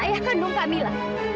ayah kandung kamila